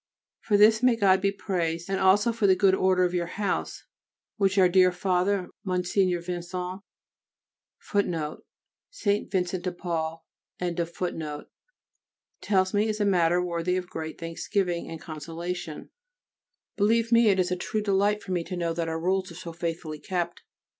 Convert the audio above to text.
For this may God be praised and also for the good order of your house, which our dear Father M. Vincent[A] tells me is a matter worthy of great thanksgiving and consolation. Believe me, it is a true delight to me to know that our Rules are so faithfully kept.